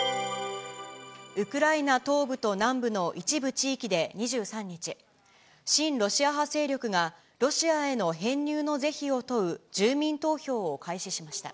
ウクライナ東部と南部の一部地域で２３日、親ロシア派勢力が、ロシアへの編入の是非を問う住民投票を開始しました。